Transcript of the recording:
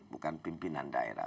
bukan pimpinan daerah